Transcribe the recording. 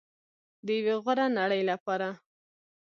د یوې غوره نړۍ لپاره.